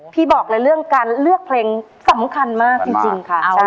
บอกเลยเรื่องการเลือกเพลงสำคัญมากจริงค่ะ